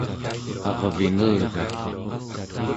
arvinelgat